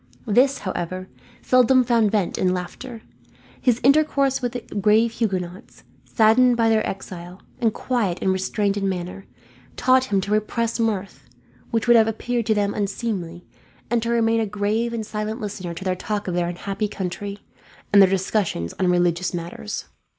This, however, seldom found vent in laughter. His intercourse with the grave Huguenots, saddened by their exile, and quiet and restrained in manner, taught him to repress mirth, which would have appeared to them unseemly; and to remain a grave and silent listener to their talk of their unhappy country, and their discussions on religious matters.